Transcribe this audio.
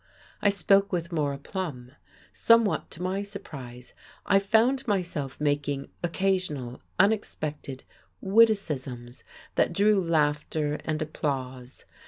I spoke with more aplomb. Somewhat to my surprise, I found myself making occasional, unexpected witticisms that drew laughter and applause.